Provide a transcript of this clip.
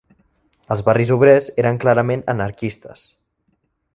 Els barris obrers eren clarament anarquistes